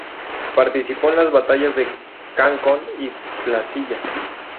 Participó en las batallas de Concón y Placilla.